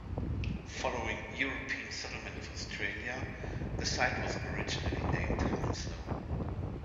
Following European settlement of Australia, the site was originally named Hounslow.